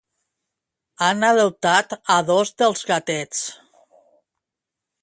Han adoptat a dos dels gatets.